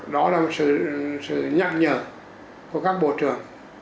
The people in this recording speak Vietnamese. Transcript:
đó là một sự nhắc nhở của các bộ trưởng